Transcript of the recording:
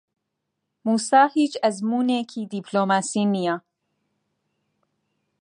مووسا هیچ ئەزموونێکی دیپلۆماسی نییە.